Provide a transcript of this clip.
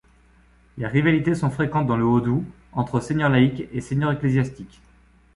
Les rivalités sont fréquentes, dans le Haut-Doubs, entre seigneurs laïcs et seigneurs ecclésiastiques.